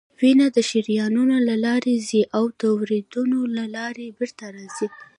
وینه د شریانونو له لارې ځي او د وریدونو له لارې بیرته راځي